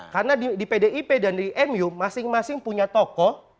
karena di pdip dan di mu masing masing punya toko